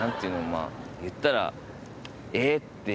まあ言ったら。